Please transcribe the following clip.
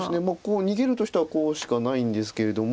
逃げるとしたらこうしかないんですけれども。